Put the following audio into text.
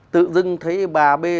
tự dưng thấy bà bê